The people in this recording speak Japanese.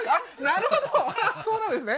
なるほどあっそうなんですね